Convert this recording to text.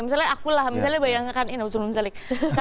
misalnya akulah misalnya bayangkan ini aku belum salik